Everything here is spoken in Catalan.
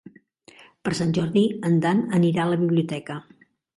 Per Sant Jordi en Dan anirà a la biblioteca.